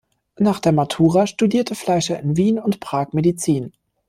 Nach der Matura studierte Fleischer in Wien und Prag Medizin.